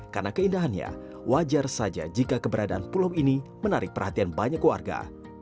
karena keindahannya wajar saja jika keberadaan pulau ini menarik perhatian banyak warga